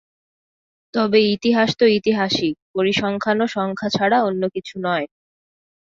তবে ইতিহাস তো ইতিহাসই, পরিসংখ্যানও সংখ্যা ছাড়া অন্য কিছু নয়।